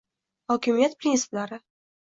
Hokimiyat prinsiplari: